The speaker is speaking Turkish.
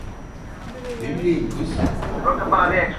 Ne bileyim kız?